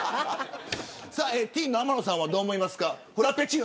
ティーンの天野さんはどう思いますか。